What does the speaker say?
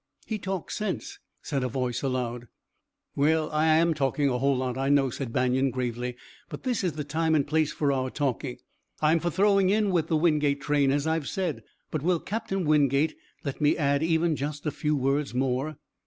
"He talks sense," said a voice aloud. "Well, I'm talking a whole lot, I know," said Banion gravely, "but this is the time and place for our talking. I'm for throwing in with the Wingate train, as I've said. But will Captain Wingate let me add even just a few words more?